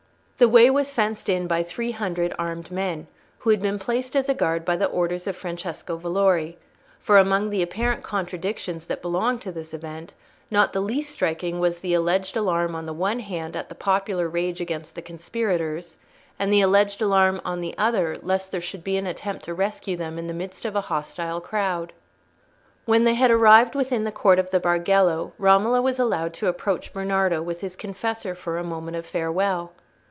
The way was fenced in by three hundred armed men, who had been placed as a guard by the orders of Francesco Valori, for among the apparent contradictions that belonged to this event, not the least striking was the alleged alarm on the one hand at the popular rage against the conspirators, and the alleged alarm on the other lest there should be an attempt to rescue them in the midst of a hostile crowd. When they had arrived within the court of the Bargello, Romola was allowed to approach Bernardo with his confessor for a moment of farewell.